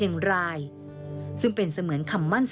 ทีมข่าวของเรานำเสนอรายงานพิเศษ